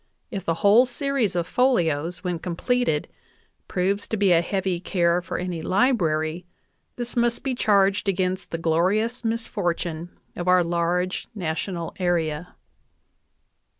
If the whole series of folios, when completed, proves to be a heavy care for any library, this must be charged against the glorious misfortune of our large national area.